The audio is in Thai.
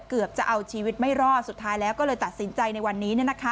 เกือบจะเอาชีวิตไม่รอดสุดท้ายแล้วก็เลยตัดสินใจในวันนี้